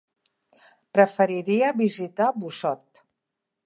Preferiria visitar Busot.